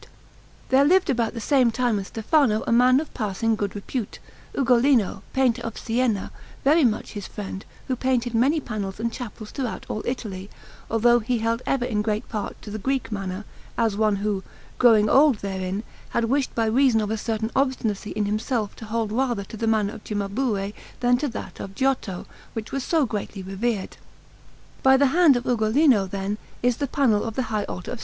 Friedrich Museum, 1635_)] There lived about the same time as Stefano a man of passing good repute, Ugolino, painter of Siena, very much his friend, who painted many panels and chapels throughout all Italy, although he held ever in great part to the Greek manner, as one who, grown old therein, had wished by reason of a certain obstinacy in himself to hold rather to the manner of Cimabue than to that of Giotto, which was so greatly revered. By the hand of Ugolino, then, is the panel of the high altar of S.